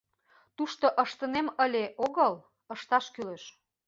— Тушто «ыштынем ыле» огыл, ышташ кӱлеш...